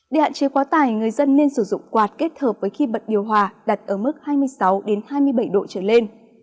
để hạn chế quá tải người dân nên sử dụng quạt kết hợp với khi bật điều hòa đặt ở mức hai mươi sáu hai mươi bảy độ trở lên